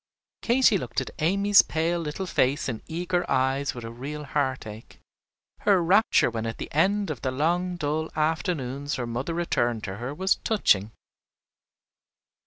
Katy looked at Amy's pale little face and eager eyes with a real heartache. Her rapture when at the end of the long dull afternoons her mother returned to her was touching.